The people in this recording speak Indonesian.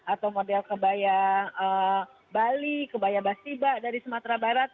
atau model kebaya bali kebaya bastiba dari sumatera barat